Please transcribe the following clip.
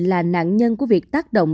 là nạn nhân của việc tác động